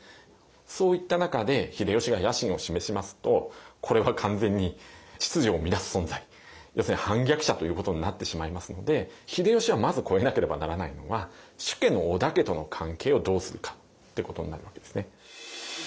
そういった中で秀吉が野心を示しますとこれは完全に秩序を乱す存在要するに反逆者ということになってしまいますので秀吉はまず越えなければならないのは主家の織田家との関係をどうするかってことになるわけですね。